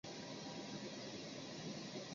祝维沙被社会认可为成功的民营企业家。